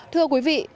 thưa quý vị